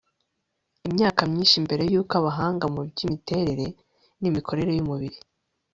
imyaka myinshi mbere y'uko abahanga mu by'imiterere n'imikorere y'umubiri